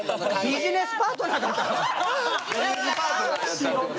ビジネスパートナーやったってこと？